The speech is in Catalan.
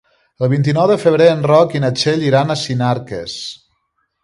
El vint-i-nou de febrer en Roc i na Txell iran a Sinarques.